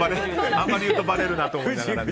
あまり言うとバレるなと思いながら。